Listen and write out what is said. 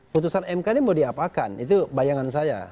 putusan mk ini mau diapakan itu bayangan saya